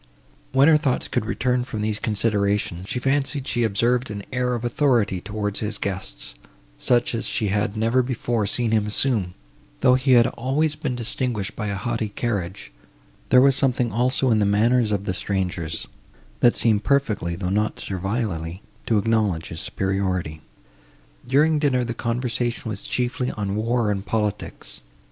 When her thoughts could return from these considerations, she fancied she observed an air of authority towards his guests, such as she had never before seen him assume, though he had always been distinguished by a haughty carriage; there was something also in the manners of the strangers, that seemed perfectly, though not servilely, to acknowledge his superiority. During dinner, the conversation was chiefly on war and politics.